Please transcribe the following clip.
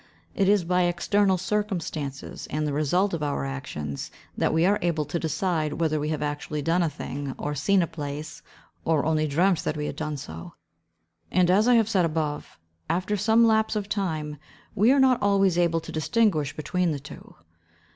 It is by external circumstances, and the results of our actions, that we are able to decide whether we have actually done a thing or seen a place, or only dreamt that we have done so; and as I have said above, after some lapse of time we are not always able to distinguish between the two.